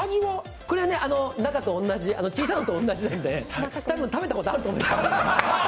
これは小さいのと同じなんで、多分食べたことあると思います。